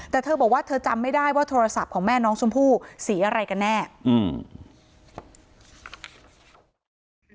แต่เธอบอกว่าเธอจำไม่ได้ว่าโทรศัพท์ของแม่น้องชมพู่สีอะไรกันแน่อืม